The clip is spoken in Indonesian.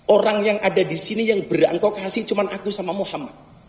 orang yang ada di sini yang berangkokasi cuma aku sama muhammad